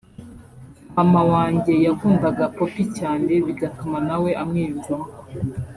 Mama wanjye yakundaga Poppy cyane bigatuma nawe amwiyumvamo